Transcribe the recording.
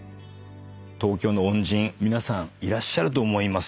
東京の恩人皆さんいらっしゃると思います。